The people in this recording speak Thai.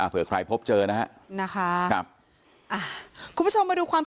เผื่อใครพบเจอนะครับ